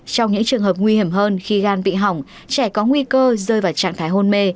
trong những trường hợp nguy hiểm hơn khi gan bị hỏng trẻ có nguy cơ rơi vào trạng thái hôn mê